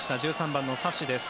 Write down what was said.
１３番のサシです。